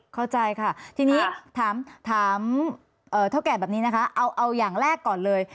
เข้าใจค่ะทีนี้ถามเท่าแก่แบบนี้นะคะเอาอย่างแรกก่อนเลย